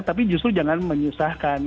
tapi justru jangan menyusahkan